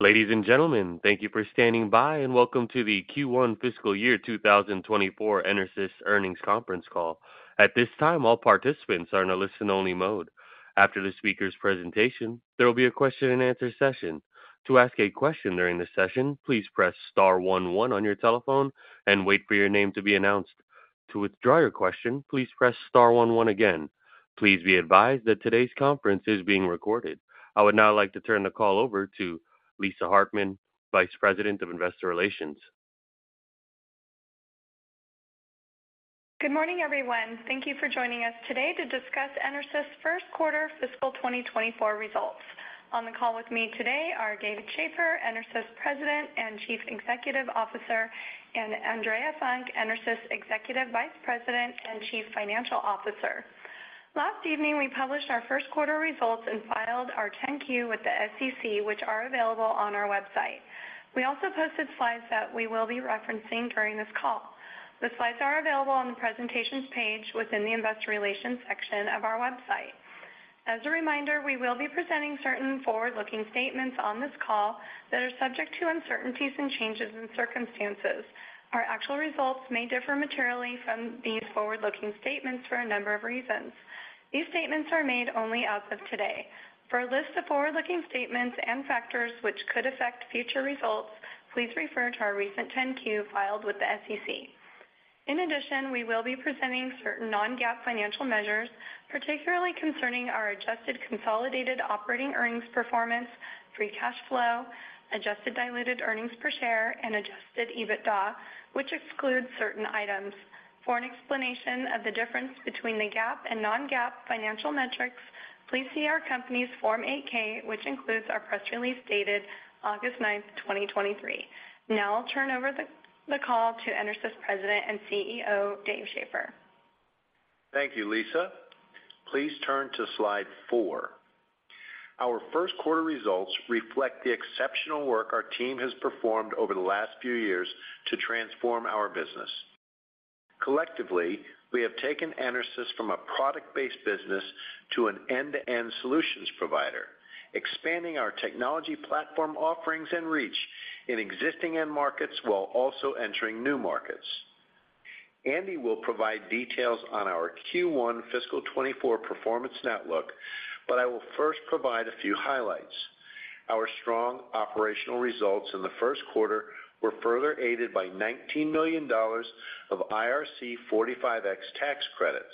Ladies and gentlemen, thank you for standing by, and welcome to the Q1 Fiscal Year 2024 EnerSys Earnings Conference Call. At this time, all participants are in a listen-only mode. After the speaker's presentation, there will be a question-and-answer session. To ask a question during the session, please press star one one on your telephone and wait for your name to be announced. To withdraw your question, please press star one one again. Please be advised that today's conference is being recorded. I would now like to turn the call over to Lisa Hartman, Vice President of Investor Relations. Good morning, everyone. Thank you for joining us today to discuss EnerSys' first quarter fiscal 2024 results. On the call with me today are David Shaffer, EnerSys President and Chief Executive Officer, and Andrea Funk, EnerSys Executive Vice President and Chief Financial Officer. Last evening, we published our first quarter results and filed our Form 10-Q with the SEC, which are available on our website. We also posted slides that we will be referencing during this call. The slides are available on the presentations page within the Investor Relations section of our website. As a reminder, we will be presenting certain forward-looking statements on this call that are subject to uncertainties and changes in circumstances. Our actual results may differ materially from these forward-looking statements for a number of reasons. These statements are made only as of today. For a list of forward-looking statements and factors which could affect future results, please refer to our recent Form 10-Q filed with the SEC. In addition, we will be presenting certain non-GAAP financial measures, particularly concerning our adjusted consolidated operating earnings performance, free cash flow, adjusted diluted earnings per share, and adjusted EBITDA, which excludes certain items. For an explanation of the difference between the GAAP and non-GAAP financial metrics, please see our company's Form 8-K, which includes our press release dated August 9th, 2023. Now I'll turn over the call to EnerSys President and CEO, David Shaffer. Thank you, Lisa. Please turn to slide 4. Our first quarter results reflect the exceptional work our team has performed over the last few years to transform our business. Collectively, we have taken EnerSys from a product-based business to an end-to-end solutions provider, expanding our technology platform offerings and reach in existing end markets while also entering new markets. Andy will provide details on our Q1 fiscal 2024 performance outlook. I will first provide a few highlights. Our strong operational results in the first quarter were further aided by $19 million of IRC Section 45X tax credits.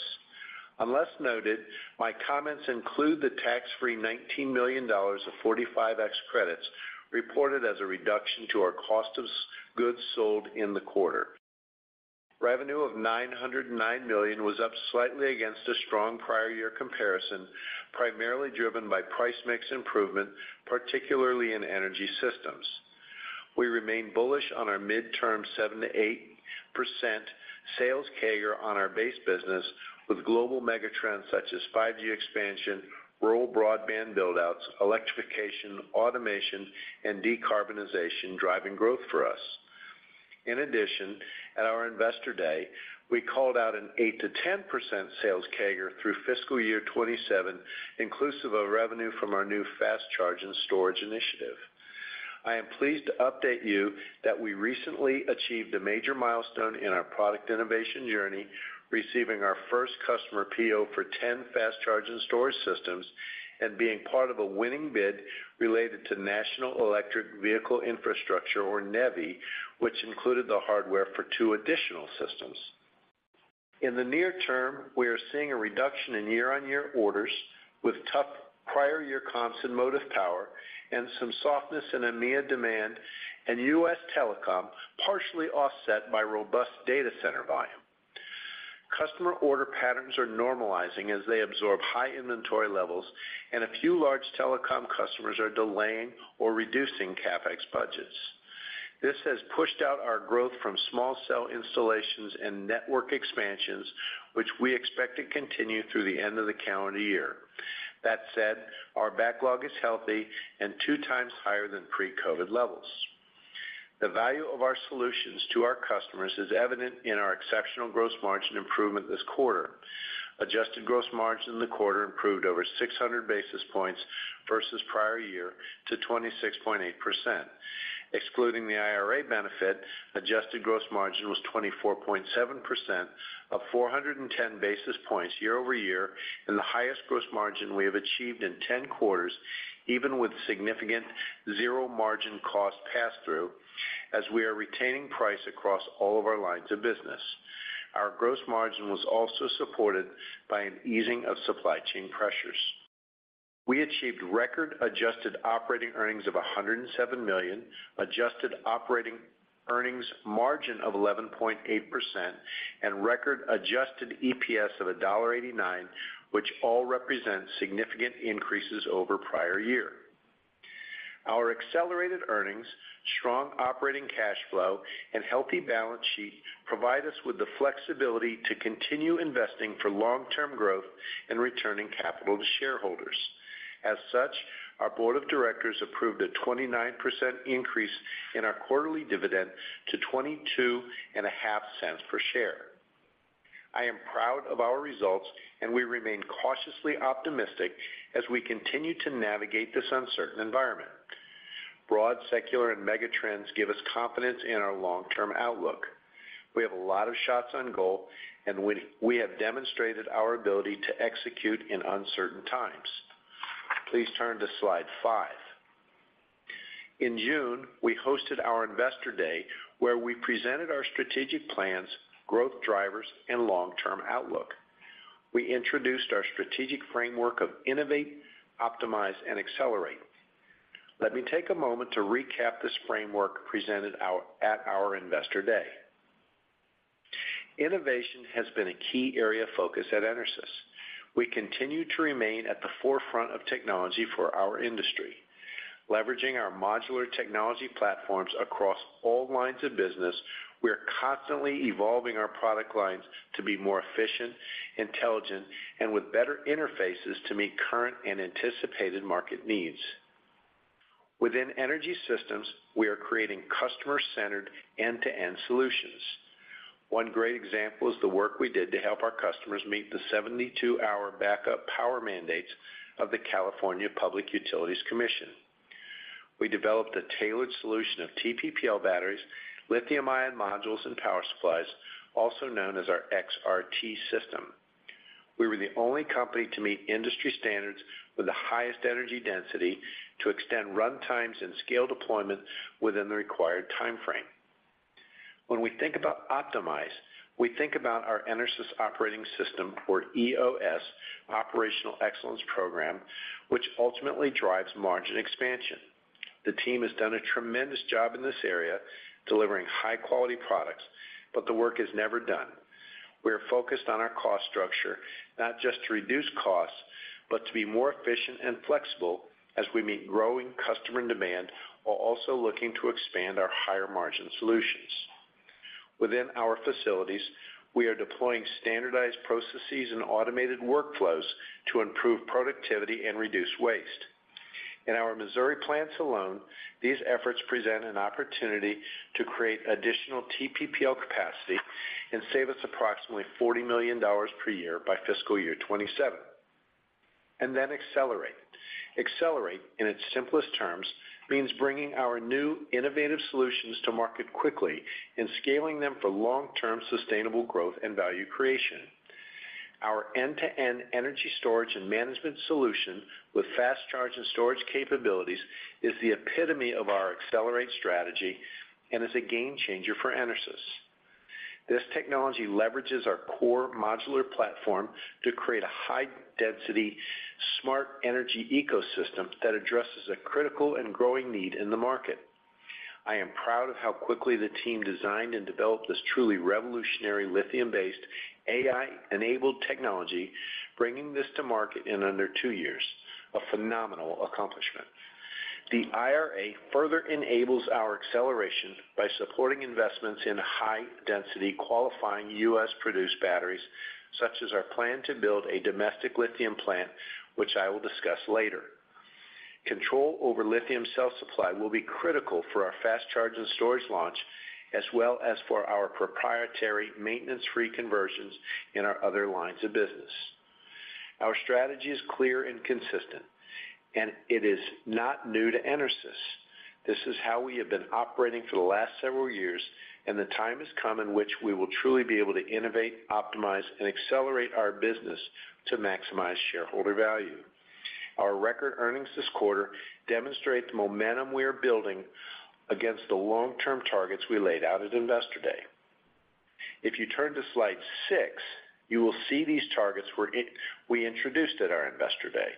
Unless noted, my comments include the tax-free $19 million of 45X credits, reported as a reduction to our cost of goods sold in the quarter. Revenue of $909 million was up slightly against a strong prior year comparison, primarily driven by price mix improvement, particularly in Energy Systems. We remain bullish on our midterm 7%-8% sales CAGR on our base business, with global megatrends such as 5G expansion, rural broadband build-outs, electrification, automation, and decarbonization driving growth for us. In addition, at our Investor Day, we called out an 8%-10% sales CAGR through fiscal year 2027, inclusive of revenue from our new Fast Charge and Storage initiative. I am pleased to update you that we recently achieved a major milestone in our product innovation journey, receiving our first customer PO for 10 Fast Charge and Storage systems, and being part of a winning bid related to National Electric Vehicle Infrastructure, or NEVI, which included the hardware for 2 additional systems. In the near term, we are seeing a reduction in year-on-year orders, with tough prior year comps in Motive Power and some softness in EMEIA demand and US telecom, partially offset by robust data center volume. Customer order patterns are normalizing as they absorb high inventory levels, and a few large telecom customers are delaying or reducing CapEx budgets. This has pushed out our growth from small cell installations and network expansions, which we expect to continue through the end of the calendar year. That said, our backlog is healthy and two times higher than pre-COVID levels. The value of our solutions to our customers is evident in our exceptional gross margin improvement this quarter. adjusted gross margin in the quarter improved over 600 basis points versus prior year to 26.8%. Excluding the IRA benefit, adjusted gross margin was 24.7% of 410 basis points year-over-year, the highest gross margin we have achieved in 10 quarters, even with significant zero margin cost pass-through, as we are retaining price across all of our lines of business. Our gross margin was also supported by an easing of supply chain pressures. We achieved record adjusted operating earnings of $107 million, adjusted operating earnings margin of 11.8%, and record adjusted EPS of $1.89, which all represent significant increases over prior year. Our accelerated earnings, strong operating cash flow, and healthy balance sheet provide us with the flexibility to continue investing for long-term growth and returning capital to shareholders. As such, our board of directors approved a 29% increase in our quarterly dividend to $0.225 per share. I am proud of our results, and we remain cautiously optimistic as we continue to navigate this uncertain environment. Broad secular and mega trends give us confidence in our long-term outlook. We have a lot of shots on goal, and we have demonstrated our ability to execute in uncertain times. Please turn to slide 5. In June, we hosted our Investor Day, where we presented our strategic plans, growth drivers, and long-term outlook. We introduced our strategic framework of innovate, optimize, and accelerate. Let me take a moment to recap this framework presented out at our Investor Day. Innovation has been a key area of focus at EnerSys. We continue to remain at the forefront of technology for our industry. Leveraging our modular technology platforms across all lines of business, we are constantly evolving our product lines to be more efficient, intelligent, and with better interfaces to meet current and anticipated market needs. Within Energy Systems, we are creating customer-centered end-to-end solutions. One great example is the work we did to help our customers meet the 72-hour backup power mandates of the California Public Utilities Commission. We developed a tailored solution of TPPL batteries, lithium-ion modules, and power supplies, also known as our XRT system. We were the only company to meet industry standards with the highest energy density to extend run times and scale deployment within the required timeframe. When we think about optimize, we think about our EnerSys Operating System, or EOS, operational excellence program, which ultimately drives margin expansion. The team has done a tremendous job in this area, delivering high-quality products, but the work is never done. We are focused on our cost structure, not just to reduce costs, but to be more efficient and flexible as we meet growing customer demand, while also looking to expand our higher-margin solutions. Within our facilities, we are deploying standardized processes and automated workflows to improve productivity and reduce waste. In our Missouri plants alone, these efforts present an opportunity to create additional TPPL capacity and save us approximately $40 million per year by fiscal year 2027. Then accelerate. Accelerate, in its simplest terms, means bringing our new innovative solutions to market quickly and scaling them for long-term sustainable growth and value creation. Our end-to-end energy storage and management solution with Fast Charge and Storage capabilities is the epitome of our accelerate strategy and is a game changer for EnerSys. This technology leverages our core modular platform to create a high-density, smart energy ecosystem that addresses a critical and growing need in the market. I am proud of how quickly the team designed and developed this truly revolutionary lithium-based, AI-enabled technology, bringing this to market in under two years. A phenomenal accomplishment. The IRA further enables our acceleration by supporting investments in high-density, qualifying US produced batteries, such as our plan to build a domestic lithium plant, which I will discuss later. Control over lithium cell supply will be critical for our Fast Charge and Storage launch, as well as for our proprietary maintenance-free conversions in our other lines of business. Our strategy is clear and consistent, and it is not new to EnerSys. This is how we have been operating for the last several years, and the time has come in which we will truly be able to innovate, optimize, and accelerate our business to maximize shareholder value. Our record earnings this quarter demonstrate the momentum we are building against the long-term targets we laid out at Investor Day. If you turn to slide 6, you will see these targets we introduced at our Investor Day.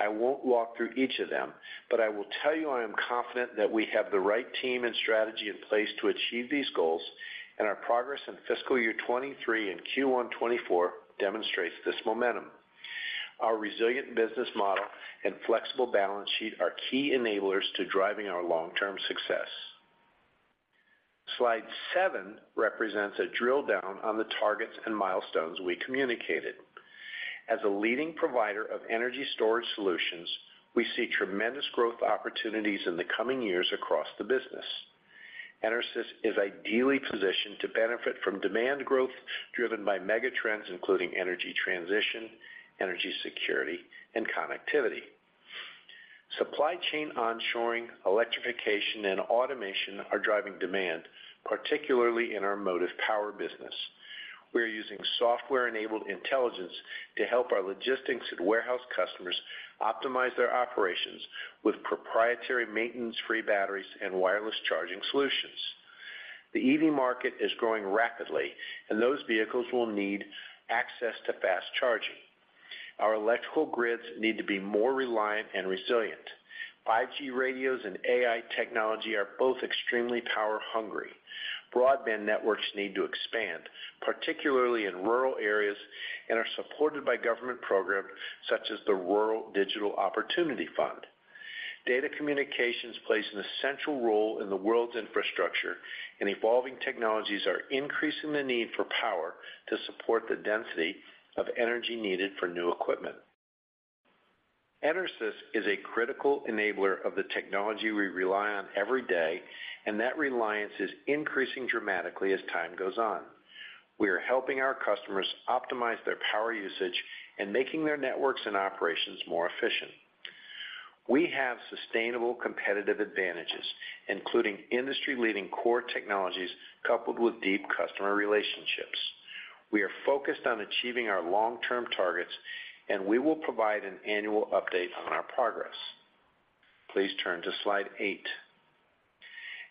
I won't walk through each of them, but I will tell you I am confident that we have the right team and strategy in place to achieve these goals, and our progress in fiscal year 2023 and Q1 2024 demonstrates this momentum. Our resilient business model and flexible balance sheet are key enablers to driving our long-term success. Slide 7 represents a drill down on the targets and milestones we communicated. As a leading provider of energy storage solutions, we see tremendous growth opportunities in the coming years across the business. EnerSys is ideally positioned to benefit from demand growth driven by mega trends, including energy transition, energy security, and connectivity. Supply chain onshoring, electrification, and automation are driving demand, particularly in our Motive Power business. We are using software-enabled intelligence to help our logistics and warehouse customers optimize their operations with proprietary maintenance-free batteries and wireless charging solutions. The EV market is growing rapidly, and those vehicles will need access to fast charging. Our electrical grids need to be more reliant and resilient. 5G radios and AI technology are both extremely power hungry. Broadband networks need to expand, particularly in rural areas, and are supported by government programs such as the Rural Digital Opportunity Fund. Data communications plays an essential role in the world's infrastructure, and evolving technologies are increasing the need for power to support the density of energy needed for new equipment.... EnerSys is a critical enabler of the technology we rely on every day, and that reliance is increasing dramatically as time goes on. We are helping our customers optimize their power usage and making their networks and operations more efficient. We have sustainable competitive advantages, including industry-leading core technologies, coupled with deep customer relationships. We are focused on achieving our long-term targets, and we will provide an annual update on our progress. Please turn to slide 8.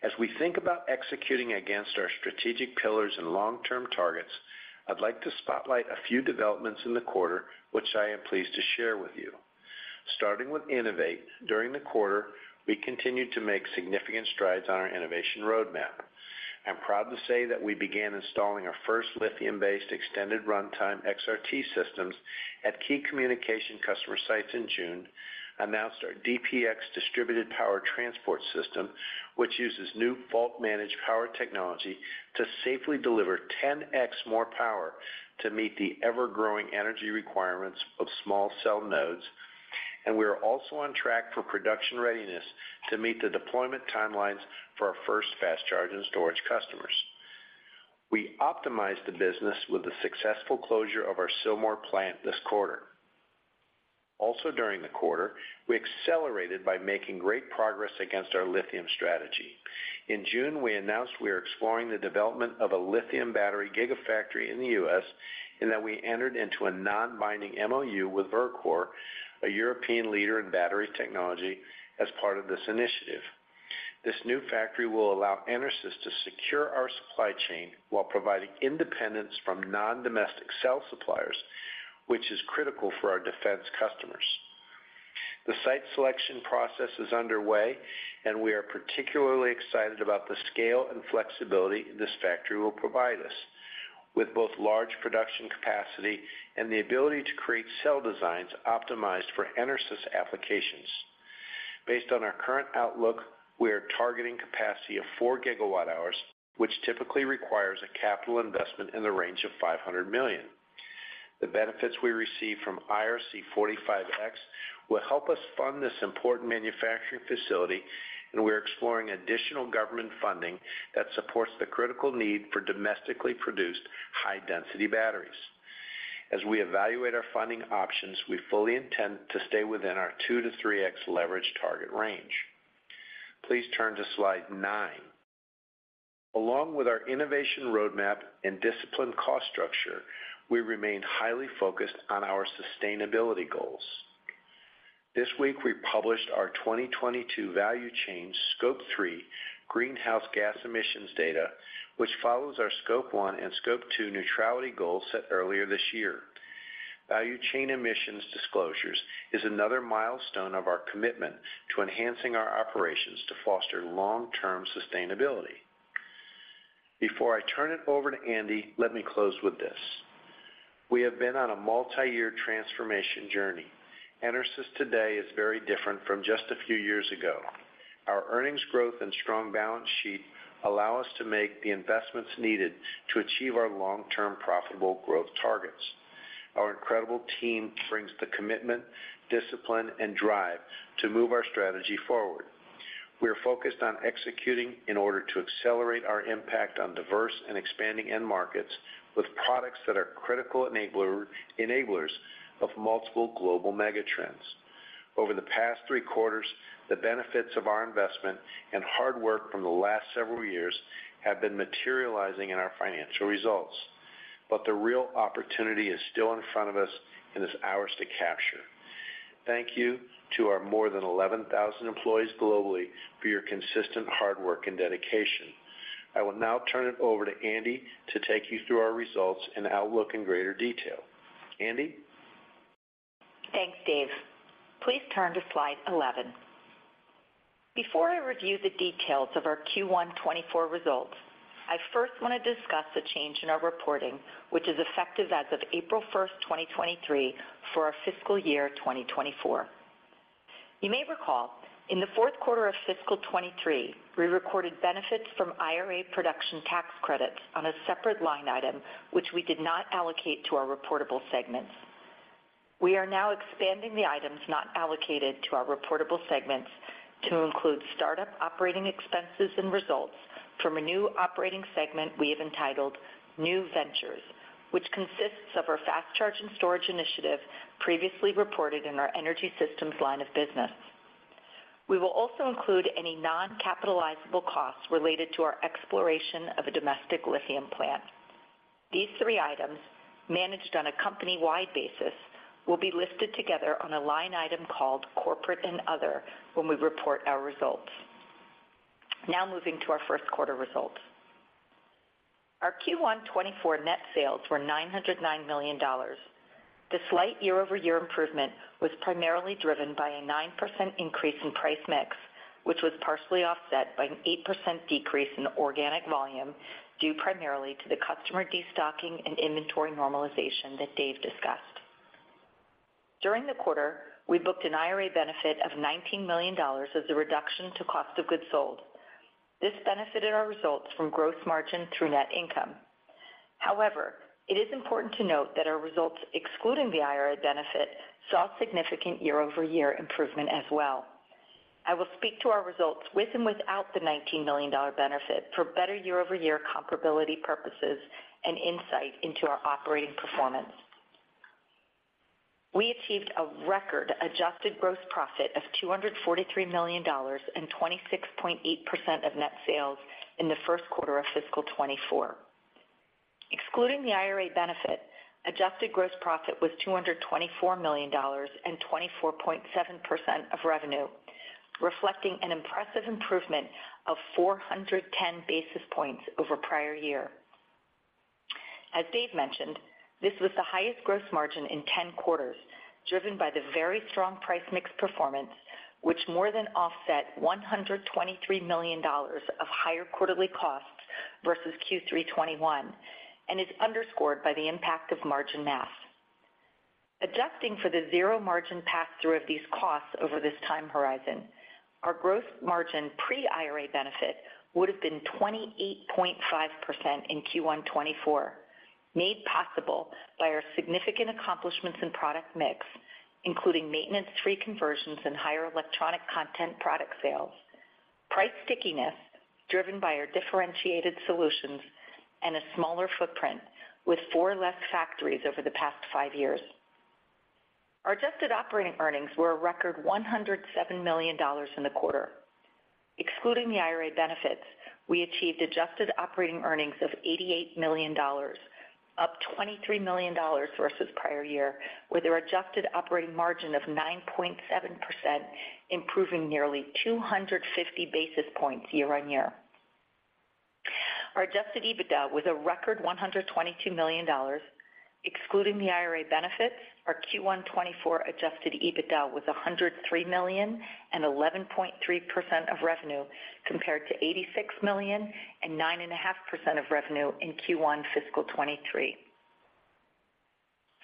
As we think about executing against our strategic pillars and long-term targets, I'd like to spotlight a few developments in the quarter, which I am pleased to share with you. Starting with Innovate, during the quarter, we continued to make significant strides on our innovation roadmap. I'm proud to say that we began installing our first lithium-based extended runtime XRT systems at key communication customer sites in June, announced our DPX Distributed Power Transport System, which uses new Fault Managed Power technology to safely deliver 10x more power to meet the ever-growing energy requirements of small cell nodes. We are also on track for production readiness to meet the deployment timelines for our first Fast Charge and Storage customers. We optimized the business with the successful closure of our Sylmore plant this quarter. During the quarter, we accelerated by making great progress against our lithium strategy. In June, we announced we are exploring the development of a lithium battery gigafactory in The U.S., and that we entered into a non-binding MOU with Verkor, a European leader in battery technology, as part of this initiative. This new factory will allow EnerSys to secure our supply chain while providing independence from non-domestic cell suppliers, which is critical for our defense customers. The site selection process is underway, and we are particularly excited about the scale and flexibility this factory will provide us, with both large production capacity and the ability to create cell designs optimized for EnerSys applications. Based on our current outlook, we are targeting capacity of four GW hours, which typically requires a capital investment in the range of $500 million. The benefits we receive from IRC Section 45X will help us fund this important manufacturing facility, and we are exploring additional government funding that supports the critical need for domestically produced high-density batteries. As we evaluate our funding options, we fully intend to stay within our 2-3x leverage target range. Please turn to slide 9. Along with our innovation roadmap and disciplined cost structure, we remain highly focused on our sustainability goals. This week, we published our 2022 value chain Scope 3 greenhouse gas emissions data, which follows our Scope 1 and Scope 2 neutrality goals set earlier this year. Value chain emissions disclosures is another milestone of our commitment to enhancing our operations to foster long-term sustainability. Before I turn it over to Andy, let me close with this: We have been on a multi-year transformation journey. EnerSys today is very different from just a few years ago. Our earnings growth and strong balance sheet allow us to make the investments needed to achieve our long-term profitable growth targets. Our incredible team brings the commitment, discipline, and drive to move our strategy forward. We are focused on executing in order to accelerate our impact on diverse and expanding end markets, with products that are critical enablers of multiple global megatrends. Over the past three quarters, the benefits of our investment and hard work from the last several years have been materializing in our financial results. The real opportunity is still in front of us, and it's ours to capture. Thank you to our more than 11,000 employees globally for your consistent hard work and dedication. I will now turn it over to Andy to take you through our results and outlook in greater detail. Andy? Thanks, Dave. Please turn to slide 11. Before I review the details of our Q1 2024 results, I first want to discuss the change in our reporting, which is effective as of April 1st, 2023, for our fiscal year 2024. You may recall, in the fourth quarter of fiscal 2023, we recorded benefits from IRA production tax credits on a separate line item, which we did not allocate to our reportable segments. We are now expanding the items not allocated to our reportable segments to include startup operating expenses and results from a new operating segment we have entitled New Ventures, which consists of our Fast Charge and Storage initiative, previously reported in our Energy Systems line of business. We will also include any non-capitalizable costs related to our exploration of a domestic lithium plant. These three items, managed on a company-wide basis, will be listed together on a line item called Corporate and Other when we report our results. Moving to our first quarter results. Our Q1 2024 net sales were $909 million. The slight year-over-year improvement was primarily driven by a 9% increase in price mix, which was partially offset by an 8% decrease in organic volume, due primarily to the customer destocking and inventory normalization that Dave discussed. During the quarter, we booked an IRA benefit of $19 million as a reduction to cost of goods sold. This benefited our results from gross margin through net income. It is important to note that our results, excluding the IRA benefit, saw significant year-over-year improvement as well. I will speak to our results with and without the $19 million benefit for better year-over-year comparability purposes and insight into our operating performance. We achieved a record adjusted gross profit of $243 million and 26.8% of net sales in the first quarter of fiscal 2024. Excluding the IRA benefit, adjusted gross profit was $224 million and 24.7% of revenue, reflecting an impressive improvement of 410 basis points over prior year. As Dave mentioned, this was the highest gross margin in 10 quarters, driven by the very strong price mix performance, which more than offset $123 million of higher quarterly costs versus Q3 2021, and is underscored by the impact of margin math. Adjusting for the zero margin pass-through of these costs over this time horizon, our gross margin pre-IRA benefit would have been 28.5% in Q1 2024, made possible by our significant accomplishments in product mix, including maintenance-free conversions and higher electronic content product sales, price stickiness, driven by our differentiated solutions and a smaller footprint with four less factories over the past five years. Our adjusted operating earnings were a record $107 million in the quarter. Excluding the IRA benefits, we achieved adjusted operating earnings of $88 million, up $23 million versus prior year, with our adjusted operating margin of 9.7%, improving nearly 250 basis points year-on-year. Our adjusted EBITDA was a record $122 million. Excluding the IRA benefits, our Q1 2024 adjusted EBITDA was $103 million and 11.3% of revenue, compared to $86 million and 9.5% of revenue in Q1 fiscal 2023.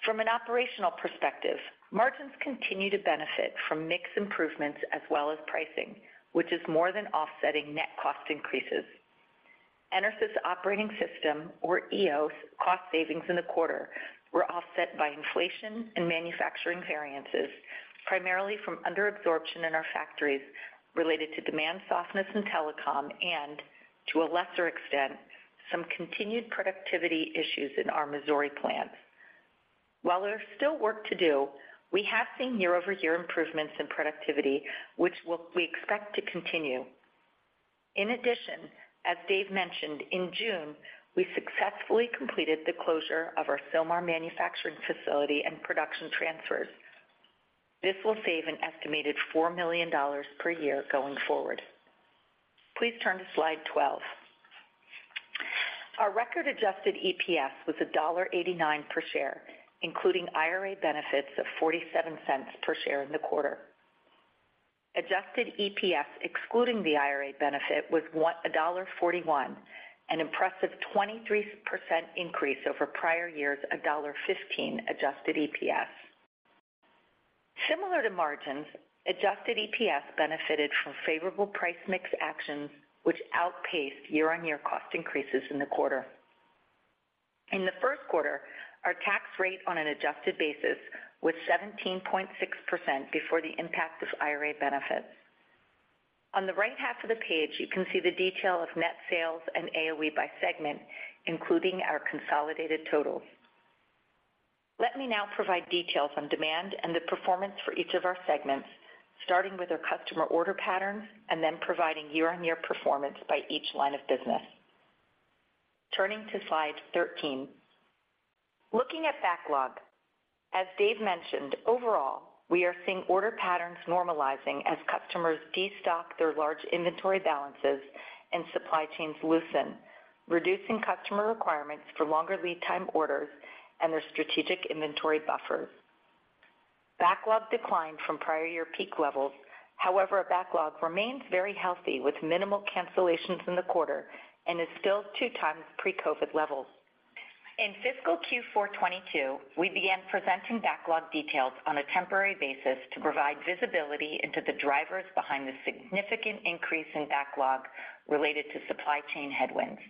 From an operational perspective, margins continue to benefit from mix improvements as well as pricing, which is more than offsetting net cost increases. EnerSys Operating System, or EOS, cost savings in the quarter were offset by inflation and manufacturing variances, primarily from under absorption in our factories related to demand softness in telecom and, to a lesser extent, some continued productivity issues in our Missouri plants. While there's still work to do, we have seen year-over-year improvements in productivity, which we expect to continue. In addition, as Dave mentioned, in June, we successfully completed the closure of our Sylmar manufacturing facility and production transfers. This will save an estimated $4 million per year going forward. Please turn to slide 12. Our record adjusted EPS was $1.89 per share, including IRA benefits of $0.47 per share in the quarter. adjusted EPS, excluding the IRA benefit, was $1.41, an impressive 23% increase over prior years, $1.15 adjusted EPS. Similar to margins, adjusted EPS benefited from favorable price mix actions, which outpaced year-on-year cost increases in the quarter. In the first quarter, our tax rate on an adjusted basis was 17.6% before the impact of IRA benefits. On the right half of the page, you can see the detail of net sales and AOE by segment, including our consolidated totals. Let me now provide details on demand and the performance for each of our segments, starting with our customer order patterns and then providing year-on-year performance by each line of business. Turning to slide 13. Looking at backlog, as Dave mentioned, overall, we are seeing order patterns normalizing as customers destock their large inventory balances and supply chains loosen, reducing customer requirements for longer lead time orders and their strategic inventory buffers. Backlog declined from prior year peak levels. However, our backlog remains very healthy, with minimal cancellations in the quarter and is still two times pre-COVID levels. In fiscal Q4 2022, we began presenting backlog details on a temporary basis to provide visibility into the drivers behind the significant increase in backlog related to supply chain headwinds.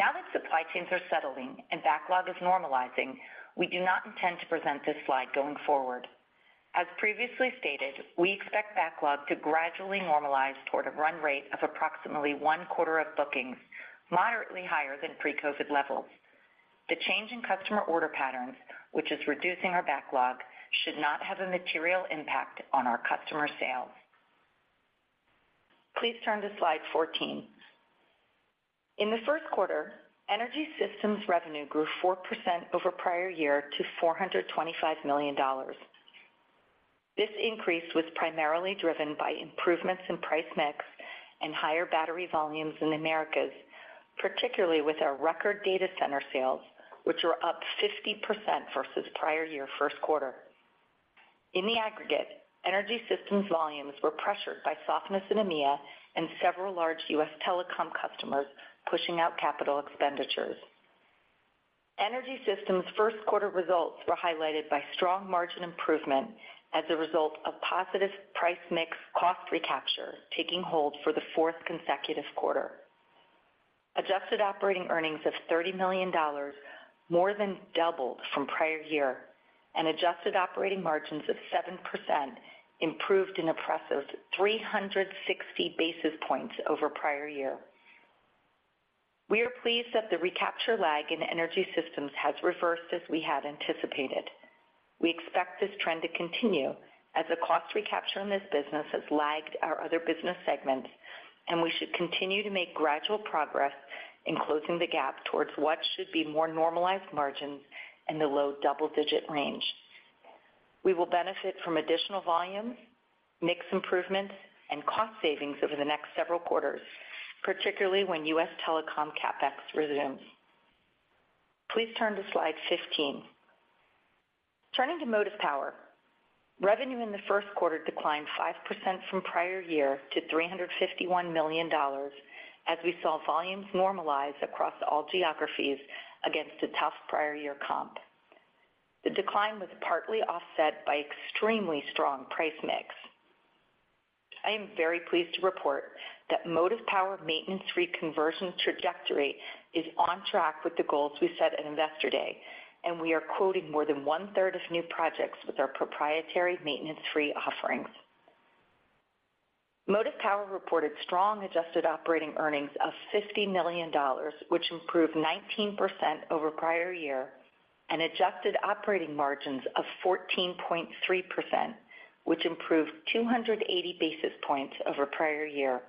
Now that supply chains are settling and backlog is normalizing, we do not intend to present this slide going forward. As previously stated, we expect backlog to gradually normalize toward a run rate of approximately one quarter of bookings, moderately higher than pre-COVID levels. The change in customer order patterns, which is reducing our backlog, should not have a material impact on our customer sales. Please turn to slide 14. In the first quarter, Energy Systems revenue grew 4% over prior year to $425 million. This increase was primarily driven by improvements in price mix and higher battery volumes in Americas, particularly with our record data center sales, which were up 50% versus prior year first quarter. In the aggregate, Energy Systems volumes were pressured by softness in EMEA and several large US telecom customers pushing out capital expenditures.... Energy Systems' first quarter results were highlighted by strong margin improvement as a result of positive price mix cost recapture, taking hold for the fourth consecutive quarter. Adjusted operating earnings of $30 million, more than doubled from prior year, and adjusted operating margins of 7% improved an impressive 360 basis points over prior year. We are pleased that the recapture lag in Energy Systems has reversed as we had anticipated. We expect this trend to continue as the cost recapture in this business has lagged our other business segments, and we should continue to make gradual progress in closing the gap towards what should be more normalized margins in the low double-digit range. We will benefit from additional volumes, mix improvements, and cost savings over the next several quarters, particularly when US Telecom CapEx resumes. Please turn to slide 15. Turning to Motive Power. Revenue in the first quarter declined 5% from prior year to $351 million, as we saw volumes normalize across all geographies against a tough prior year comp. The decline was partly offset by extremely strong price mix. I am very pleased to report that Motive Power maintenance-free conversion trajectory is on track with the goals we set at Investor Day, and we are quoting more than one-third of new projects with our proprietary maintenance-free offerings. Motive Power reported strong adjusted operating earnings of $50 million, which improved 19% over prior year, and adjusted operating margins of 14.3%, which improved 280 basis points over prior year.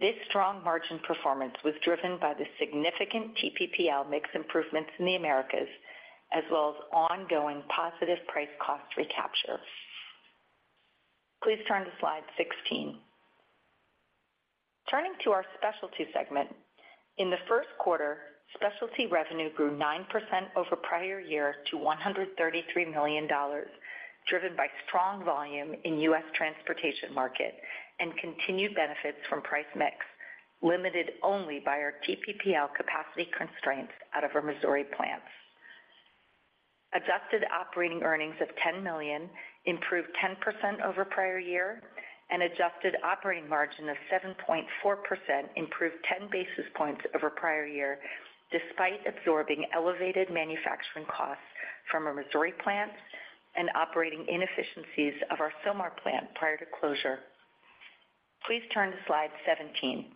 This strong margin performance was driven by the significant TPPL mix improvements in the Americas, as well as ongoing positive price cost recapture. Please turn to slide 16. Turning to our Specialty segment. In the first quarter, Specialty revenue grew 9% over prior year to $133 million, driven by strong volume in US transportation market and continued benefits from price mix, limited only by our TPPL capacity constraints out of our Missouri plants. Adjusted operating earnings of $10 million improved 10% over prior year, adjusted operating margin of 7.4% improved 10 basis points over prior year, despite absorbing elevated manufacturing costs from our Missouri plants and operating inefficiencies of our Sylmar plant prior to closure. Please turn to slide 17.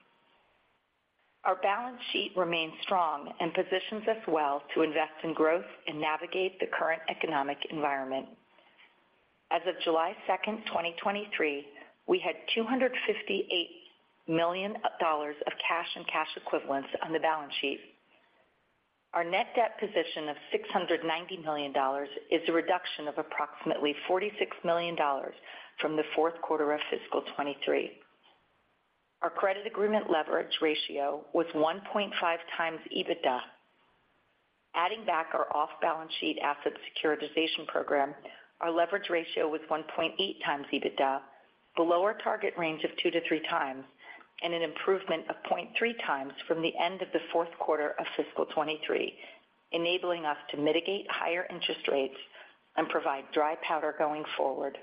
Our balance sheet remains strong and positions us well to invest in growth and navigate the current economic environment. As of July second, 2023, we had $258 million of cash and cash equivalents on the balance sheet. Our net debt position of $690 million is a reduction of approximately $46 million from the fourth quarter of fiscal 2023. Our credit agreement leverage ratio was 1.5 times EBITDA. Adding back our off-balance sheet asset securitization program, our leverage ratio was 1.8 times EBITDA, below our target range of two to three times, and an improvement of 0.3 times from the end of the fourth quarter of fiscal 2023, enabling us to mitigate higher interest rates and provide dry powder going forward.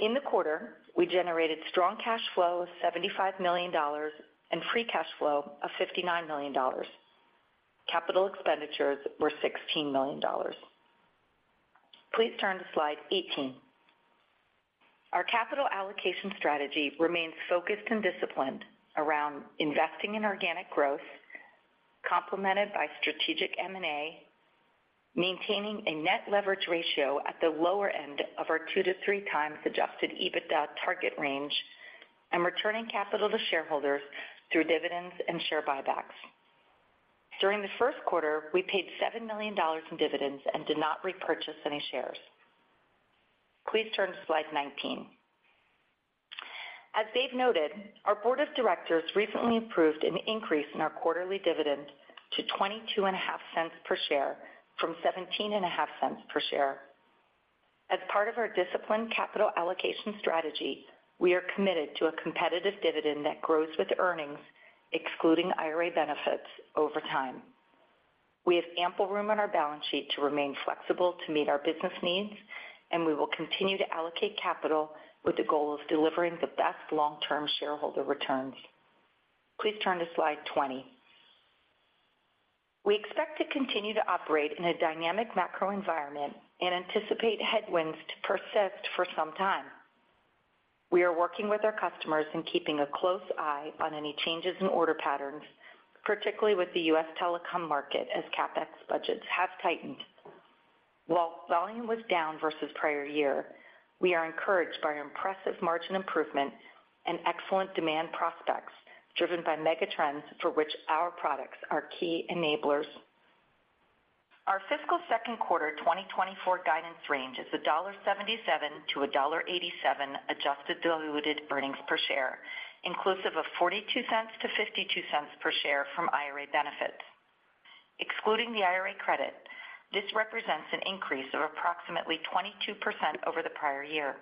In the quarter, we generated strong cash flow of $75 million and free cash flow of $59 million. Capital expenditures were $16 million. Please turn to slide 18. Our capital allocation strategy remains focused and disciplined around investing in organic growth, complemented by strategic M&A, maintaining a net leverage ratio at the lower end of our two to three times adjusted EBITDA target range, and returning capital to shareholders through dividends and share buybacks. During the first quarter, we paid $7 million in dividends and did not repurchase any shares. Please turn to slide 19. As Dave noted, our board of directors recently approved an increase in our quarterly dividend to $0.225 per share from $0.175 per share. As part of our disciplined capital allocation strategy, we are committed to a competitive dividend that grows with earnings, excluding IRA benefits over time. We have ample room on our balance sheet to remain flexible to meet our business needs, and we will continue to allocate capital with the goal of delivering the best long-term shareholder returns. Please turn to slide 20. We expect to continue to operate in a dynamic macro environment and anticipate headwinds to persist for some time. We are working with our customers and keeping a close eye on any changes in order patterns, particularly with the US telecom market, as CapEx budgets have tightened. While volume was down versus prior year, we are encouraged by our impressive margin improvement and excellent demand prospects, driven by megatrends for which our products are key enablers. Our fiscal 2Q 2024 guidance range is $1.77-$1.87 adjusted diluted earnings per share, inclusive of $0.42-$0.52 per share from IRA benefits. Excluding the IRA credit, this represents an increase of approximately 22% over the prior year.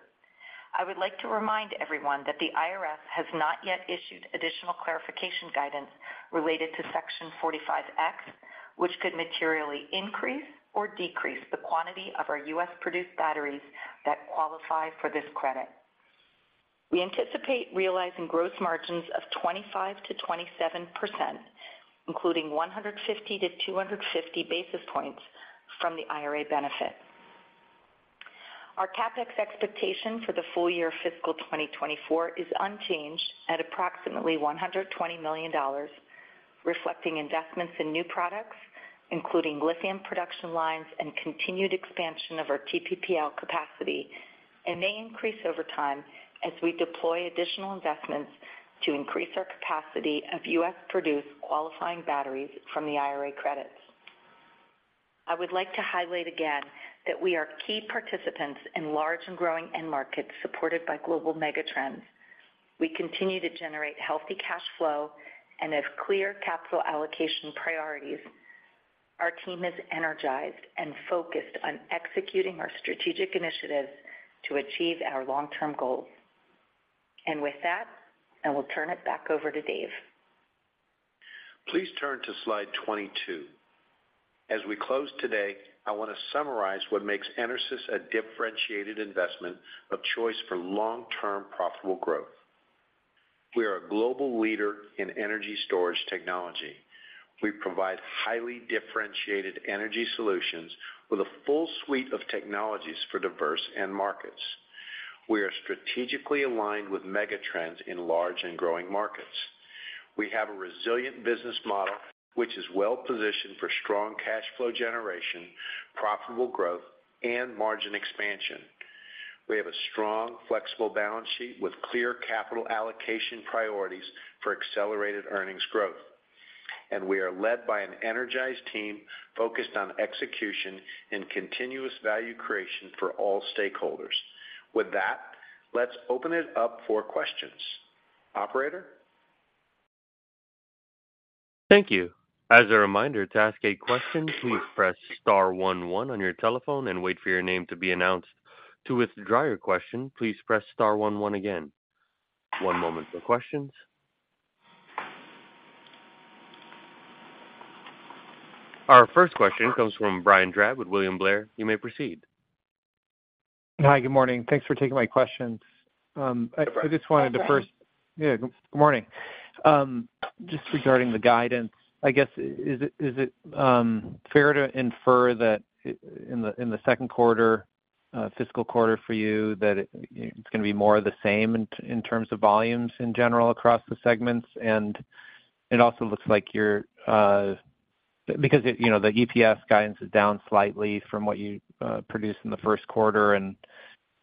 I would like to remind everyone that the IRS has not yet issued additional clarification guidance related to Section 45X, which could materially increase or decrease the quantity of our U.S.-produced batteries that qualify for this credit. We anticipate realizing gross margins of 25%-27%, including 150-250 basis points from the IRA benefit. Our CapEx expectation for the full year fiscal 2024 is unchanged at approximately $120 million, reflecting investments in new products, including lithium production lines and continued expansion of our TPPL capacity, and may increase over time as we deploy additional investments to increase our capacity of US produced qualifying batteries from the IRA credits. I would like to highlight again that we are key participants in large and growing end markets supported by global megatrends. We continue to generate healthy cash flow and have clear capital allocation priorities. Our team is energized and focused on executing our strategic initiatives to achieve our long-term goals. With that, I will turn it back over to Dave. Please turn to slide 22. As we close today, I want to summarize what makes EnerSys a differentiated investment of choice for long-term profitable growth. We are a global leader in energy storage technology. We provide highly differentiated energy solutions with a full suite of technologies for diverse end markets. We are strategically aligned with mega trends in large and growing markets. We have a resilient business model, which is well positioned for strong cash flow generation, profitable growth, and margin expansion. We have a strong, flexible balance sheet with clear capital allocation priorities for accelerated earnings growth, and we are led by an energized team focused on execution and continuous value creation for all stakeholders. With that, let's open it up for questions. Operator? Thank you. As a reminder, to ask a question, please press star one one on your telephone and wait for your name to be announced. To withdraw your question, please press star one one again. One moment for questions. Our first question comes from Brian Drab with William Blair. You may proceed. Hi, good morning. Thanks for taking my questions. I just wanted to first- Hi, Brian. Yeah, good morning. Just regarding the guidance, I guess, is it, is it, fair to infer that in the, in the second quarter, fiscal quarter for you, that it's gonna be more of the same in, in terms of volumes in general across the segments? It also looks like you're, because, you know, the EPS guidance is down slightly from what you, produced in the first quarter, and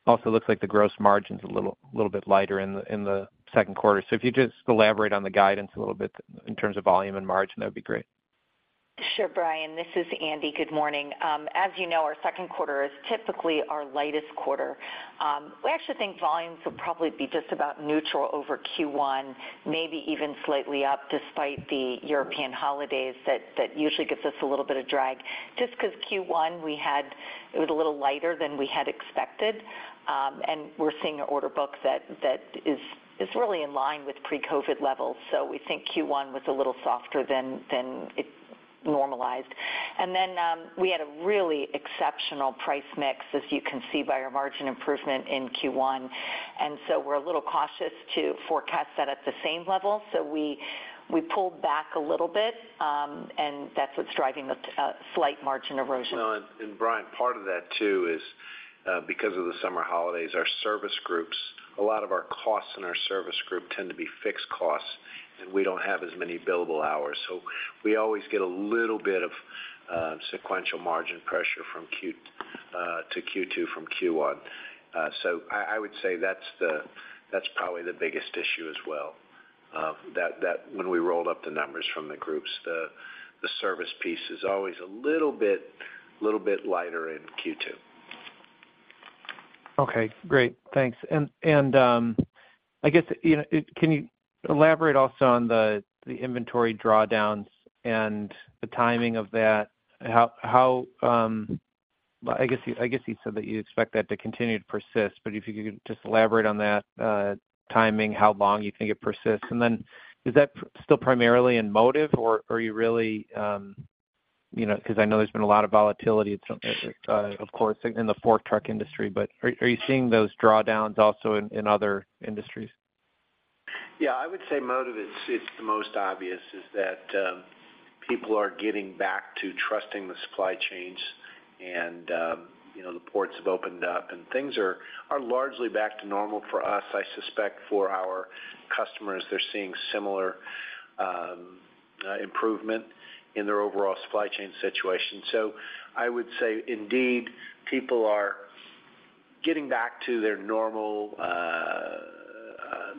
also looks like the gross margin's a little, little bit lighter in the, in the second quarter. If you just elaborate on the guidance a little bit in terms of volume and margin, that would be great. Sure, Brian, this is Andi. Good morning. As you know, our second quarter is typically our lightest quarter. We actually think volumes will probably be just about neutral over Q1, maybe even slightly up, despite the European holidays, that usually gives us a little bit of drag. Q1, it was a little lighter than we had expected, and we're seeing an order book that is really in line with pre-COVID levels. We think Q1 was a little softer than it normalized. We had a really exceptional price mix, as you can see by our margin improvement in Q1. We're a little cautious to forecast that at the same level. We, we pulled back a little bit, and that's what's driving the slight margin erosion. Brian, part of that, too, is because of the summer holidays, our service groups, a lot of our costs in our service group tend to be fixed costs, and we don't have as many billable hours. We always get a little bit of sequential margin pressure to Q2 from Q1. I would say that's probably the biggest issue as well, that, that when we roll up the numbers from the groups, the, the service piece is always a little bit, little bit lighter in Q2. Okay, great. Thanks. I guess, you know, can you elaborate also on the, the inventory drawdowns and the timing of that? I guess you said that you expect that to continue to persist, but if you could just elaborate on that timing, how long you think it persists. Then is that still primarily in motive, or are you really, you know, because I know there's been a lot of volatility, of course, in the fork truck industry, but are you seeing those drawdowns also in, in other industries? Yeah, I would say Motive is, it's the most obvious, is that, people are getting back to trusting the supply chains and, you know, the ports have opened up and things are largely back to normal for us. I suspect for our customers, they're seeing similar improvement in their overall supply chain situation. I would say indeed, people are getting back to their normal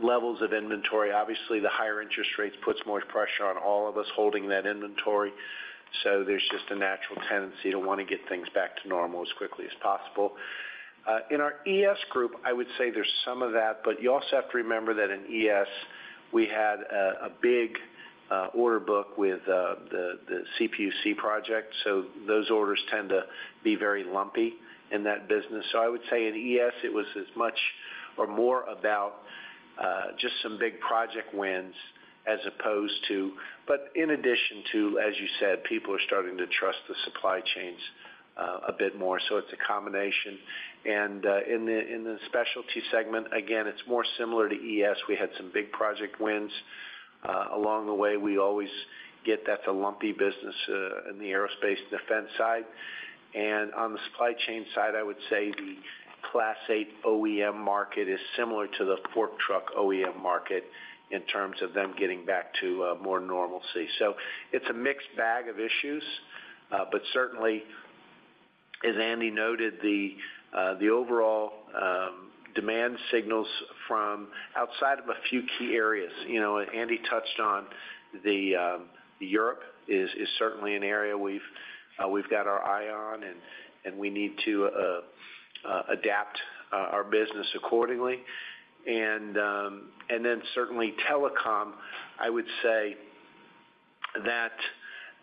levels of inventory. Obviously, the higher interest rates puts more pressure on all of us holding that inventory, so there's just a natural tendency to want to get things back to normal as quickly as possible. In our ES group, I would say there's some of that, but you also have to remember that in ES, we had a big order book with the CPUC project. Those orders tend to be very lumpy in that business. I would say in ES, it was as much or more about just some big project wins but in addition to, as you said, people are starting to trust the supply chains a bit more, so it's a combination. In the, in the Specialty segment, again, it's more similar to ES. We had some big project wins. Along the way, we always get that the lumpy business in the aerospace and defense side. On the supply chain side, I would say the Class 8 OEM market is similar to the fork truck OEM market in terms of them getting back to more normalcy. It's a mixed bag of issues, but certainly, as Andy noted, the overall demand signals from outside of a few key areas. You know, Andy touched on the, Europe is certainly an area we've got our eye on, and we need to adapt our business accordingly. Then certainly telecom, I would say that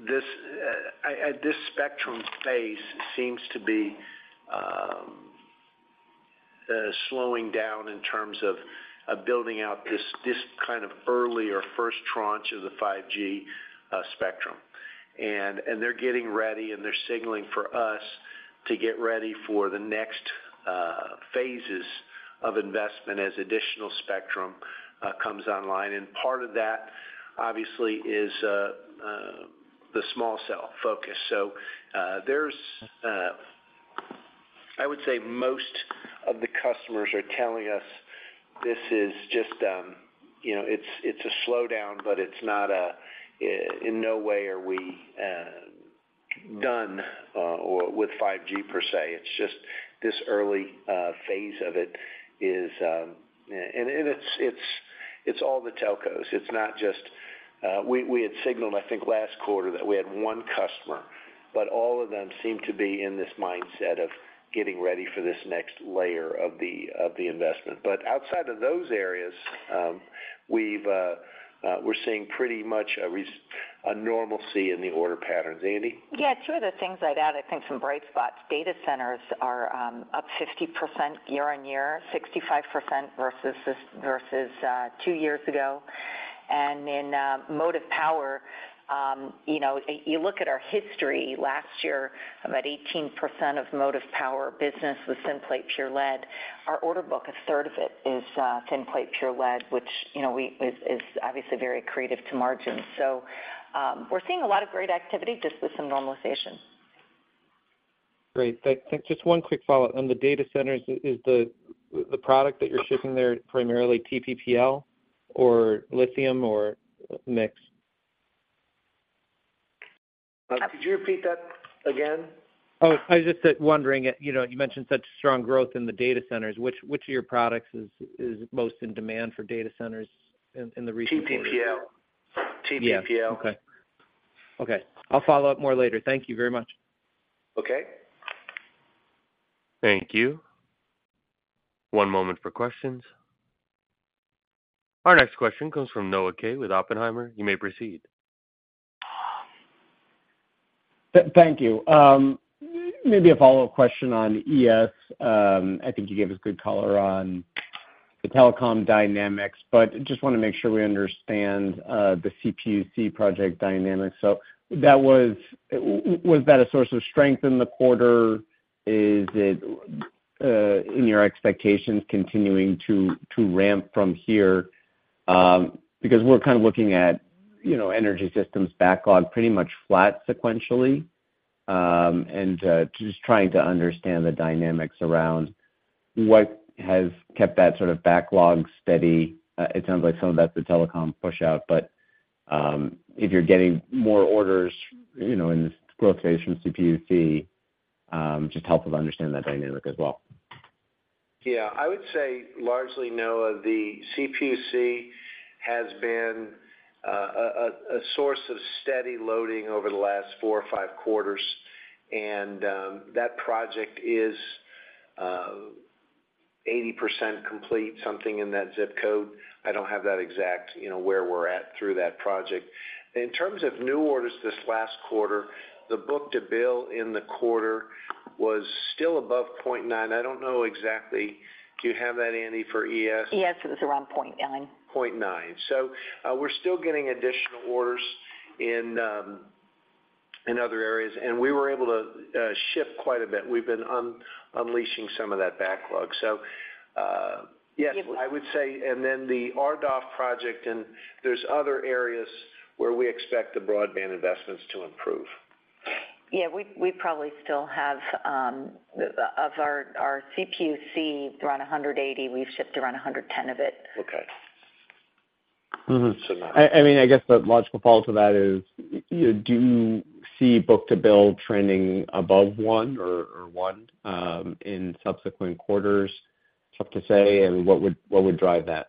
this spectrum space seems to be slowing down in terms of building out this kind of early or first tranche of the 5G spectrum. They're getting ready, and they're signaling for us to get ready for the next phases of investment as additional spectrum comes online. Part of that, obviously, is the small cell focus. There's, I would say most of the customers are telling us this is just, you know, it's, it's a slowdown, but it's not a, in no way are we, done, with 5G per se. It's just this early, phase of it is. It's, it's, it's all the telcos. It's not just, we, we had signaled, I think, last quarter, that we had one customer, but all of them seem to be in this mindset of getting ready for this next layer of the, of the investment. Outside of those areas, we've, we're seeing pretty much a normalcy in the order patterns. Andy? Yeah, two of the things I'd add, I think, some bright spots. Data centers are up 50% year-on-year, 65% versus this- versus two years ago. In Motive Power, you know, you look at our history last year, about 18% of Motive Power business was Thin Plate Pure Lead. Our order book, a third of it, is Thin Plate Pure Lead, which, you know, we- is, is obviously very creative to margins. We're seeing a lot of great activity, just with some normalization. Great. Just one quick follow-up. On the data centers, is the product that you're shipping there primarily TPPL or lithium or mixed? Could you repeat that again? Oh, I was just wondering, you know, you mentioned such strong growth in the data centers, which, which of your products is, is most in demand for data centers in, in the recent quarter? TPPL. TPPL. Okay. Okay, I'll follow up more later. Thank you very much. Okay. Thank you. One moment for questions. Our next question comes from Noah Kaye, with Oppenheimer. You may proceed. Thank you. Maybe a follow-up question on ES. I think you gave us good color on the telecom dynamics, but just wanna make sure we understand the CPUC project dynamics. Was that a source of strength in the quarter? Is it in your expectations continuing to ramp from here? Because we're kind of looking at, you know, Energy Systems backlog pretty much flat sequentially. Just trying to understand the dynamics around what has kept that sort of backlog steady. It sounds like some of that's the telecom pushout, but if you're getting more orders, you know, in this growth phase from CPUC, just helpful to understand that dynamic as well. Yeah. I would say largely, Noah, the CPUC has been a source of steady loading over the last 4 or 5 quarters, and that project is 80% complete, something in that zip code. I don't have that exact, you know, where we're at through that project. In terms of new orders this last quarter, the book-to-bill in the quarter was still above 0.9. I don't know exactly. Do you have that, Andy, for ES? ES is around 0.9. 0.9. We're still getting additional orders in other areas, and we were able to ship quite a bit. We've been unleashing some of that backlog. Yes, I would say, and then the RDOF project, and there's other areas where we expect the broadband investments to improve. Yeah, we, we probably still have, of our, our CPUC, around 180, we've shipped around 110 of it. Okay. Mm-hmm. I, I mean, I guess the logical follow-up to that is, you know, do you see book-to-bill trending above one or, or one, in subsequent quarters? Tough to say. What would, what would drive that?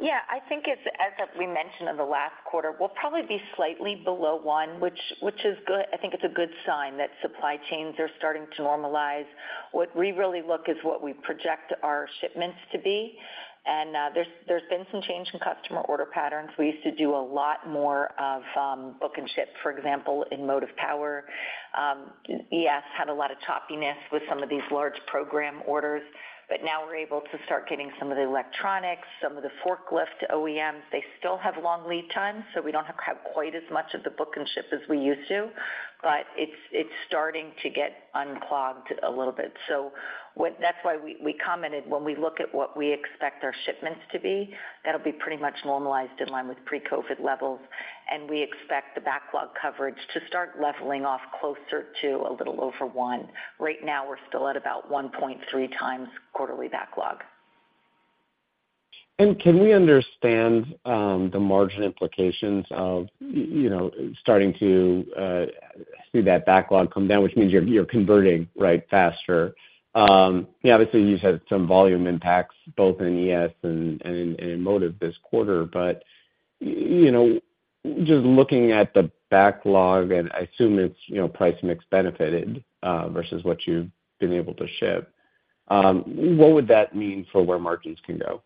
Yeah, I think it's, as we mentioned in the last quarter, we'll probably be slightly below one, which, which is good. I think it's a good sign that supply chains are starting to normalize. What we really look is what we project our shipments to be. There's, there's been some change in customer order patterns. We used to do a lot more of book and ship, for example, in Motive Power. ES had a lot of choppiness with some of these large program orders, but now we're able to start getting some of the electronics, some of the forklift OEMs. They still have long lead times, so we don't have quite as much of the book and ship as we used to, but it's, it's starting to get unclogged a little bit. That's why we commented, when we look at what we expect our shipments to be, that'll be pretty much normalized in line with pre-COVID levels, and we expect the backlog coverage to start leveling off closer to a little over one. Right now, we're still at about 1.3 times quarterly backlog. Can we understand, the margin implications of, you know, starting to see that backlog come down, which means you're, you're converting, right, faster? Yeah, obviously, you've had some volume impacts, both in ES and, and in motive this quarter. You know, just looking at the backlog, and I assume it's, you know, price mix benefited, versus what you've been able to ship, what would that mean for where margins can go?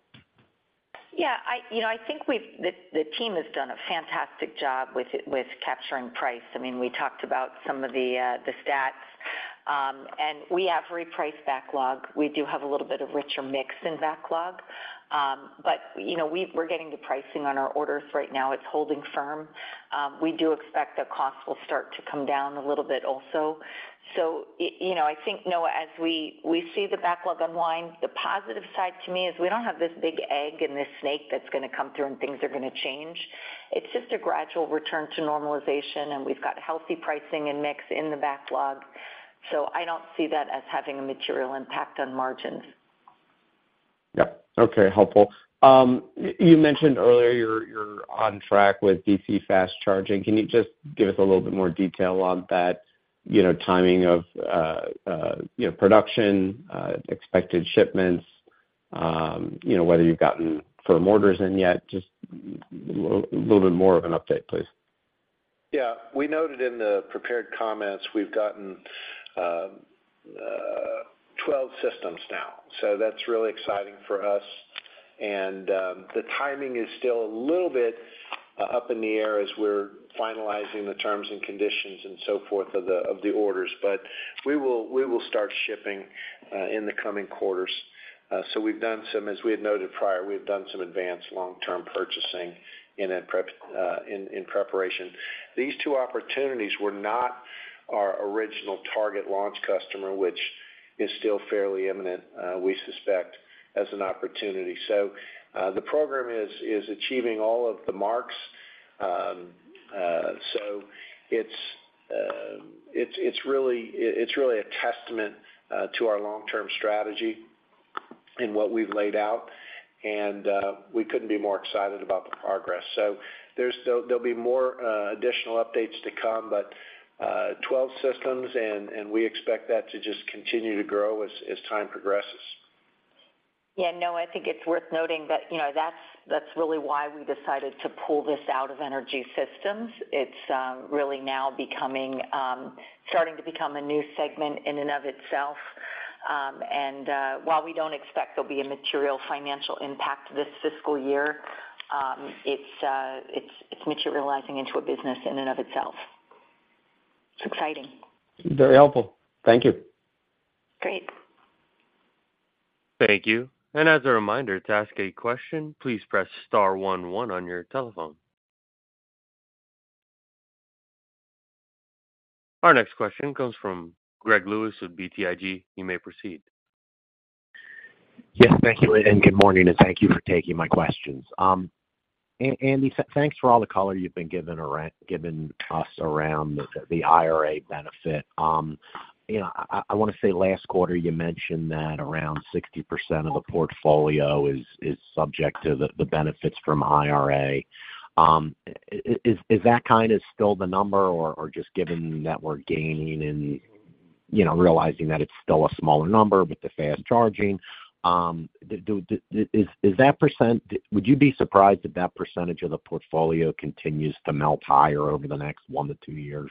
Yeah, you know, I think the team has done a fantastic job with, with capturing price. I mean, we talked about some of the, the stats. We have repriced backlog. We do have a little bit of richer mix in backlog. You know, we're getting the pricing on our orders right now. It's holding firm. We do expect that costs will start to come down a little bit also. You know, I think, Noah, as we, we see the backlog unwind, the positive side to me is we don't have this big egg and this snake that's gonna come through and things are gonna change. It's just a gradual return to normalization, and we've got healthy pricing and mix in the backlog, so I don't see that as having a material impact on margins. Yep. Okay, helpful. You mentioned earlier you're, you're on track with DC fast charging. Can you just give us a little bit more detail on that, you know, timing of, you know, production, expected shipments, you know, whether you've gotten firm orders in yet? Just little bit more of an update, please. Yeah. We noted in the prepared comments, we've gotten 12 systems now, so that's really exciting for us. The timing is still a little bit up in the air as we're finalizing the terms and conditions and so forth of the, of the orders. We will, we will start shipping in the coming quarters. We've done some, as we had noted prior, we've done some advanced long-term purchasing in prep in preparation. These two opportunities were not our original target launch customer, which is still fairly imminent, we suspect, as an opportunity. The program is, is achieving all of the marks. It's, it's really it, it's really a testament to our long-term strategy and what we've laid out, and we couldn't be more excited about the progress. There'll be more additional updates to come, but 12 systems, and we expect that to just continue to grow as time progresses. Yeah, Noah, I think it's worth noting that, you know, that's, that's really why we decided to pull this out of Energy Systems. It's really now becoming starting to become a new segment in and of itself. While we don't expect there'll be a material financial impact this fiscal year, it's it's materializing into a business in and of itself. It's exciting. Very helpful. Thank you. Great. Thank you. As a reminder, to ask a question, please press star one one on your telephone. Our next question comes from Gregory Lewis with BTIG. You may proceed. Yes, thank you, and good morning, and thank you for taking my questions. Andy, thanks for all the color you've been giving us around the, the IRA benefit. You know, I, I wanna say last quarter, you mentioned that around 60% of the portfolio is, is subject to the, the benefits from IRA. Is, is that kind of still the number? Just given that we're gaining and, you know, realizing that it's still a smaller number with the fast charging, would you be surprised if that percentage of the portfolio continues to melt higher over the next one to two years?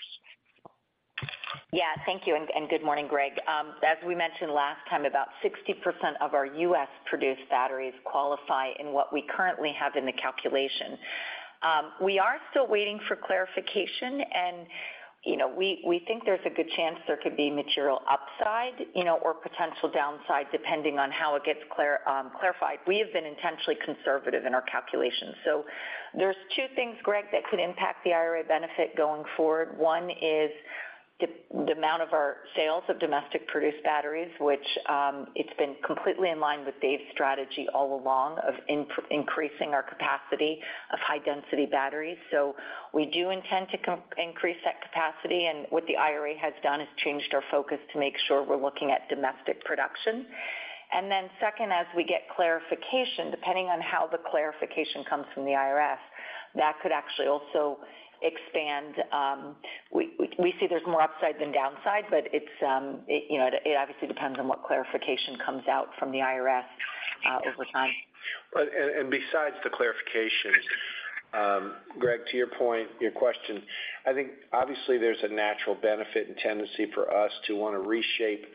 Yeah. Thank you, and good morning, Greg. As we mentioned last time, about 60% of our US produced batteries qualify in what we currently have in the calculation. We are still waiting for clarification, and, you know, we, we think there's a good chance there could be material upside, you know, or potential downside, depending on how it gets clarified. We have been intentionally conservative in our calculations. There's two things, Greg, that could impact the IRA benefit going forward. One is the amount of our sales of domestic-produced batteries, which, it's been completely in line with Dave's strategy all along of increasing our capacity of high-density batteries. We do intend to increase that capacity, and what the IRA has done is changed our focus to make sure we're looking at domestic production. Second, as we get clarification, depending on how the clarification comes from the IRS, that could actually also expand. We, we, we see there's more upside than downside, but it's, it, you know, it obviously depends on what clarification comes out from the IRS over time. Besides the clarification. Greg, to your point, your question, I think obviously there's a natural benefit and tendency for us to wanna reshape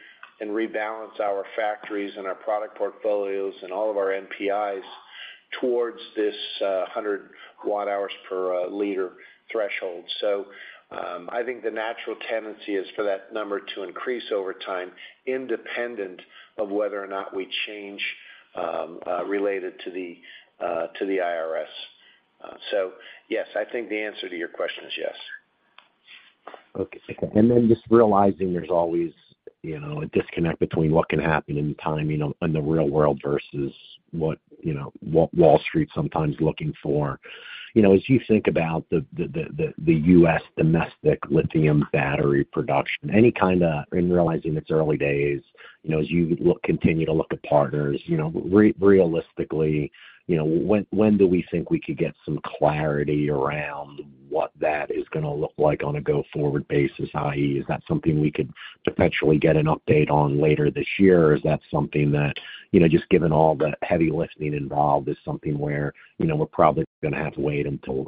and rebalance our factories and our product portfolios and all of our NPIs towards this, 100 watt hours per liter threshold. I think the natural tendency is for that number to increase over time, independent of whether or not we change, related to the, to the IRS. Yes, I think the answer to your question is yes. Okay. Just realizing there's always, you know, a disconnect between what can happen in time, you know, in the real world versus what, you know, what Wall Street's sometimes looking for, you know, as you think about the US domestic lithium battery production, any kind of -- and realizing it's early days, you know, as you continue to look at partners, you know, realistically, you know, when, when do we think we could get some clarity around what that is gonna look like on a go-forward basis, i.e., is that something we could potentially get an update on later this year? Is that something that, you know, just given all the heavy lifting involved, is something where, you know, we're probably gonna have to wait until,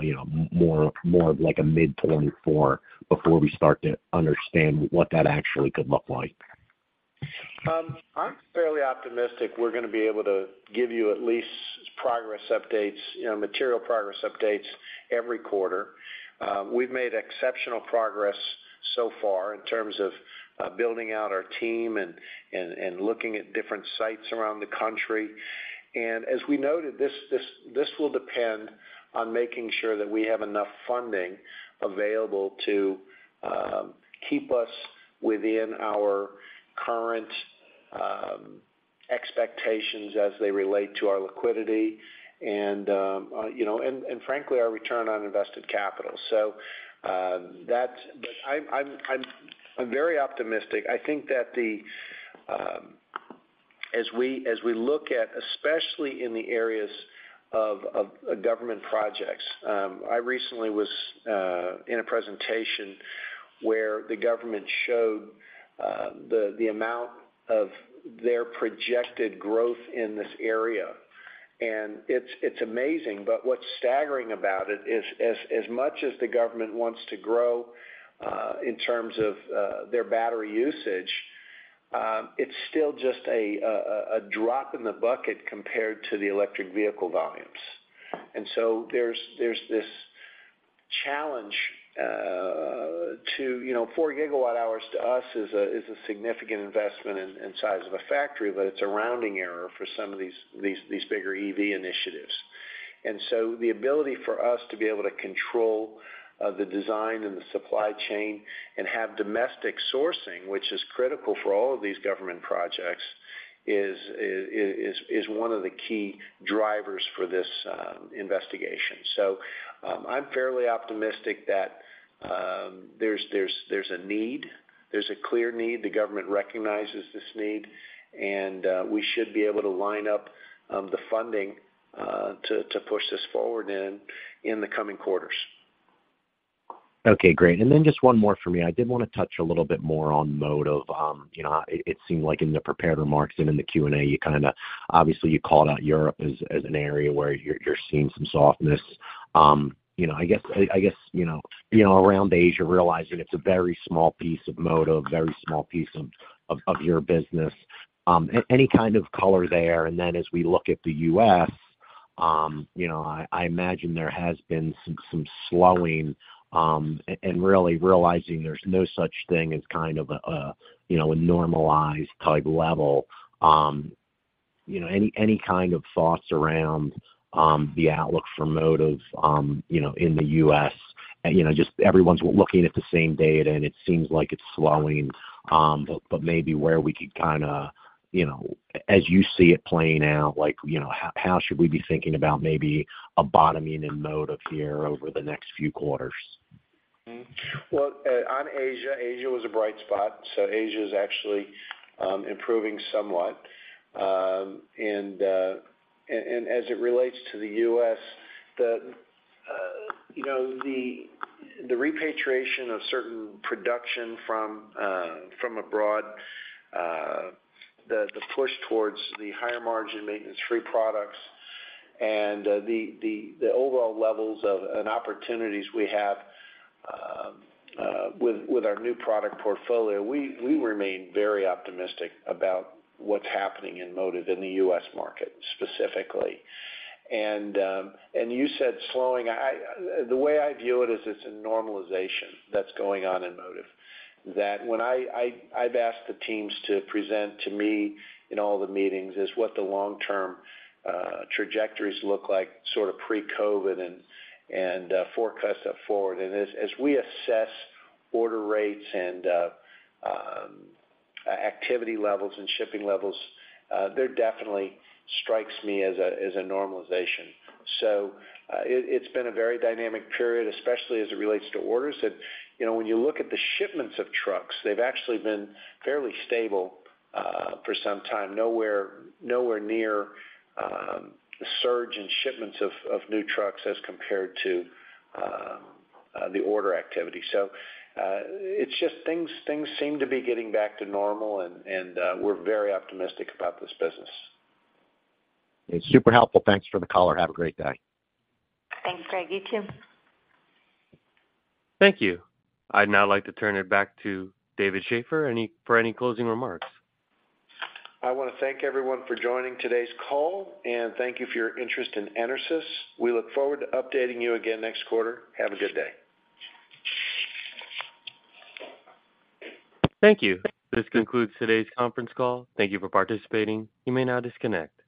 you know, more, more of like a mid-2024 before we start to understand what that actually could look like? I'm fairly optimistic we're gonna be able to give you at least progress updates, you know, material progress updates every quarter. We've made exceptional progress so far in terms of building out our team and, and, and looking at different sites around the country. As we noted, this, this, this will depend on making sure that we have enough funding available to keep us within our current expectations as they relate to our liquidity and, you know, and, and frankly, our return on invested capital. That's but I'm, I'm, I'm, I'm very optimistic. I think that the, as we, as we look at, especially in the areas of, of government projects, I recently was in a presentation where the government showed the, the amount of their projected growth in this area, and it's, it's amazing. What's staggering about it is as, as much as the government wants to grow in terms of their battery usage, it's still just a drop in the bucket compared to the electric vehicle volumes. There's, there's this challenge to, you know, 4 gigawatt hours to us is a, is a significant investment in, in size of a factory, but it's a rounding error for some of these, these, these bigger EV initiatives. The ability for us to be able to control the design and the supply chain and have domestic sourcing, which is critical for all of these government projects, is, is, is, is one of the key drivers for this investigation. I'm fairly optimistic that there's, there's, there's a need, there's a clear need. The government recognizes this need, and we should be able to line up the funding to push this forward in the coming quarters. Okay, great. Just one more for me. I did wanna touch a little bit more on Motive Power. You know, it, it seemed like in the prepared remarks and in the Q&A, you kinda obviously called out Europe as an area where you're, you're seeing some softness. You know, I guess, I, I guess, you know, you know, around Asia, realizing it's a very small piece of Motive Power, very small piece of, of, of your business, any kind of color there? As we look at The U.S., you know, I, I imagine there has been some, some slowing, and, and really realizing there's no such thing as kind of a, you know, a normalized type level. You know, any, any kind of thoughts around the outlook for Motive Power, you know, in The U.S.? You know, just everyone's looking at the same data, and it seems like it's slowing. Maybe where we could kinda, you know, as you see it playing out, like, you know, how, how should we be thinking about maybe a bottoming in Motive Power here over the next few quarters? On Asia, Asia was a bright spot. Asia is actually improving somewhat. As it relates to The US, you know, the repatriation of certain production from abroad, the push towards the higher margin maintenance-free products and the overall levels of - and opportunities we have with our new product portfolio, we remain very optimistic about what's happening in motive in the US market specifically. You said slowing. The way I view it is it's a normalization that's going on in motive. That when I've asked the teams to present to me in all the meetings is what the long-term trajectories look like, sort of pre-COVID and forecasts forward. As we assess order rates and activity levels and shipping levels, there definitely strikes me as a normalization. It's been a very dynamic period, especially as it relates to orders, that, you know, when you look at the shipments of trucks, they've actually been fairly stable for some time. Nowhere near the surge in shipments of new trucks as compared to the order activity. It's just things seem to be getting back to normal, and we're very optimistic about this business. It's super helpful. Thanks for the call, have a great day. Thanks, Greg. You too. Thank you. I'd now like to turn it back to David Shaffer for any closing remarks. I wanna thank everyone for joining today's call. Thank you for your interest in EnerSys. We look forward to updating you again next quarter. Have a good day. Thank you. This concludes today's conference call. Thank you for participating. You may now disconnect.